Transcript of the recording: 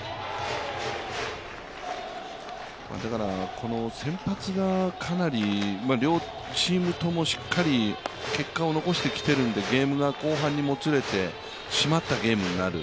この先発がかなり、両チームともしっかり結果を残してきているんでゲームが後半にもつれてしまったゲームになる。